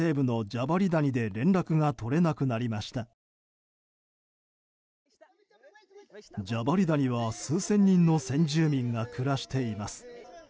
ジャバリ谷は数千人の先住民が暮らしています。